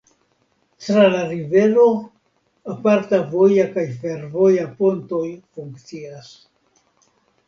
Tra la rivero aparta voja kaj fervoja pontoj funkcias.